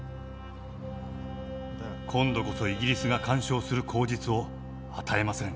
今度こそイギリスが干渉する口実を与えません。